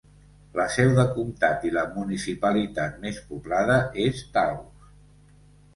La seu de comtat i la municipalitat més poblada és Taos.